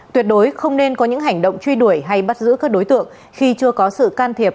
tuyệt đối không nên có những hành động truy đuổi hay bắt giữ các đối tượng khi chưa có sự can thiệp